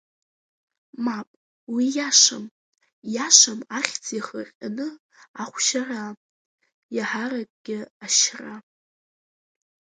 Мап, уи иашам, иашам ахьӡ иахырҟьаны ахәшьара, иаҳаракгьы ашьра.